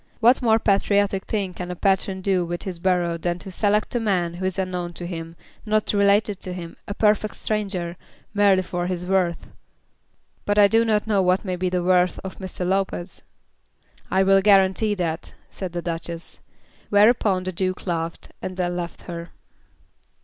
What more patriotic thing can a patron do with his borough than to select a man who is unknown to him, not related to him, a perfect stranger, merely for his worth?" "But I do not know what may be the worth of Mr. Lopez." "I will guarantee that," said the Duchess. Whereupon the Duke laughed, and then left her.